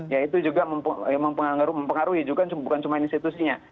ya itu juga memang mempengaruhi juga bukan cuma institusinya